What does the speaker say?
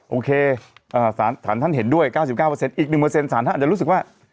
โอเคสารท่านเห็นด้วย๙๙อีก๑สารท่านอาจจะรู้สึกว่า